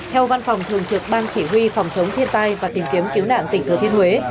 theo văn phòng thường trực ban chỉ huy phòng chống thiên tai và tìm kiếm cứu nạn tỉnh thừa thiên huế